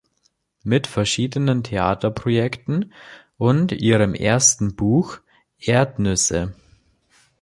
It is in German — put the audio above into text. Mit verschiedenen Theaterprojekten und ihrem ersten Buch "Erdnüsse.